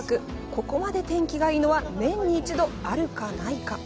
ここまで天気がいいのは年に一度あるかないか。